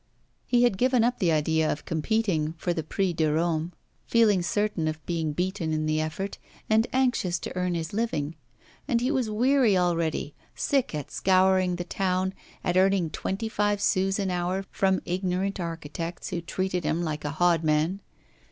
He had given up the idea of competing for the Prix de Rome, feeling certain of being beaten in the effort, and anxious to earn his living. And he was weary already; sick at scouring the town, at earning twenty five sous an hour from ignorant architects, who treated him like a hodman.